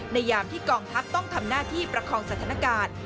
ยามที่กองทัพต้องทำหน้าที่ประคองสถานการณ์